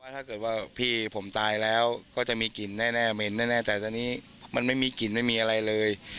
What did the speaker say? ถ้าเกิดว่าพี่ผมตายแล้วก็จะมีกลิ่นแน่เหม็นแน่แต่ตอนนี้มันไม่มีกลิ่นไม่มีอะไรเลย